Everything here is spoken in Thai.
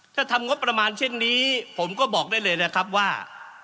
ถ้าทำงบประมาณเช่นนี้ผมก็บอกได้เลยนะครับว่า